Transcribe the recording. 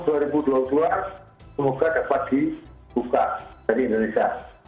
semoga dapat dibuka dari indonesia